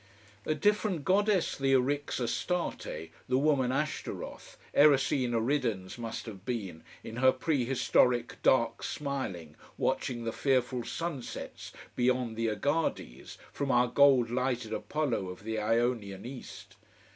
A different goddess the Eryx Astarte, the woman Ashtaroth, Erycina ridens must have been, in her prehstoric dark smiling, watching the fearful sunsets beyond the Egades, from our gold lighted Apollo of the Ionian east.